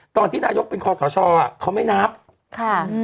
ตอนที่นายกเป็นคอสชอ่ะเขาไม่นับค่ะ